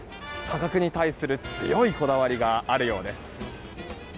価格に対する強いこだわりがあるようです。